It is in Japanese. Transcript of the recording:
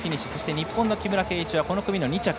日本の木村敬一はこの組の２着。